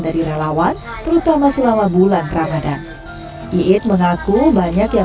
dari relawan terutama selama bulan ramadhan iit mengaku banyak yang